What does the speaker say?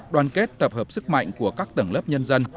đoàn kết tập hợp sức mạnh của các tầng lớp nhân dân